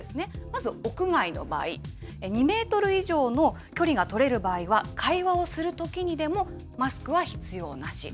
まず屋外の場合、２メートル以上の距離が取れる場合は、会話をするときにでもマスクは必要なし。